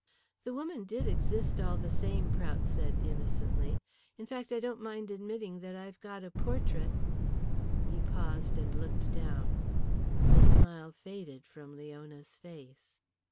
"The woman did exist all the same," Prout said innocently. "In fact, I don't mind admitting that I've got a portrait " He paused and looked down. The smile faded from Leona's face.